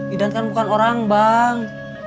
idan kan bukan orang bang